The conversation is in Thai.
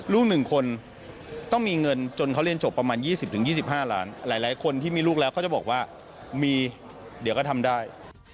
ลูก๑คนต้องมีเงินจนเขาเรียนจบประมาณ๒๐๒๕ล้านหลายคนที่มีลูกแล้วเขาจะบอกว่ามีเดี๋ยวก็ทำได้